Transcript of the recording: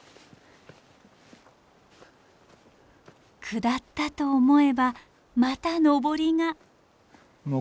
下ったと思えばまた登りが。